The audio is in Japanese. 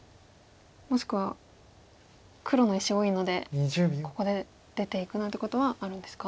もしくは黒の石多いのでここで出ていくなんてことはあるんですか？